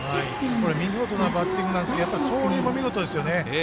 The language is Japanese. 見事なバッティングなんですけど走塁も見事ですよね。